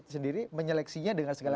sendiri menyeleksinya dengan segala